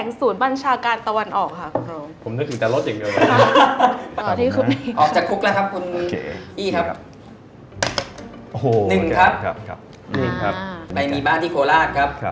ในบ้านที่โคลาดครับ